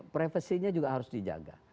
privacy nya juga harus dijaga